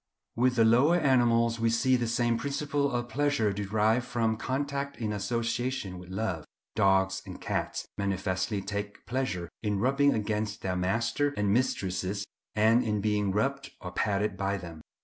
With the lower animals we see the same principle of pleasure derived from contact in association with love. Dogs and cats manifestly take pleasure in rubbing against their masters and mistresses, and in being rubbed or patted by them.